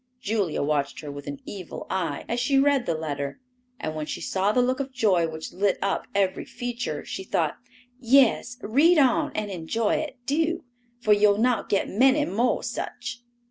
Julia watched her with an evil eye, as she read the letter, and when she saw the look of joy which lit up every feature, she thought, "Yes, read on and enjoy it—do—for you'll not get many more such!"